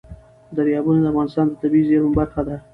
دریابونه د افغانستان د طبیعي زیرمو برخه ده.